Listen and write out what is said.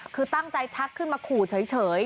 คือตั้งใจชักขึ้นมาขู่เฉย